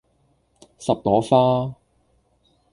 十朵花